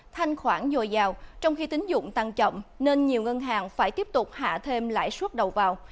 thanh khoản dồi dào trong khi tính dụng tăng chậm nên nhiều ngân hàng phải tiếp tục hạ thêm lãi suất đầu vào